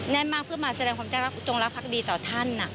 มากเพื่อมาแสดงความจงรักภักดีต่อท่าน